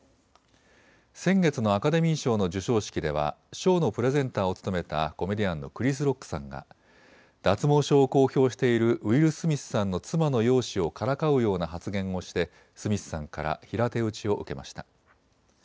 先月のアカデミー賞の授賞式では賞のプレゼンターを務めたコメディアンのクリス・ロックさんが脱毛症を公表しているウィル・スミスさんの妻の容姿をからかうような発言をしてスミスさんから平手打ちを受けました。